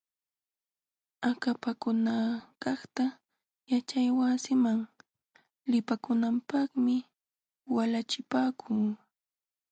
Akapakunakaqta yaćhaywasiman lipakunanpaqmi walachipaakuu.